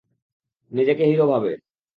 নিজেকে হিরো ভাবে।